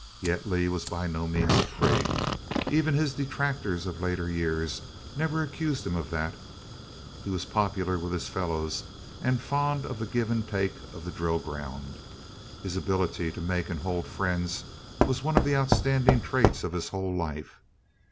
Yet Lee was by no means a prig. Even his detractors of later years never accused him of that. He was popular with his fellows and fond of the give and take of the drill ground. His ability to make and hold friends was one of the outstanding traits of his whole life.